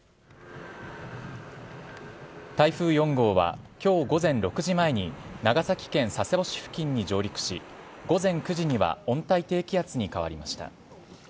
台風４号は、きょう午前６時前に、長崎県佐世保市付近に上陸し、午前９時には温帯低気圧に変わりました。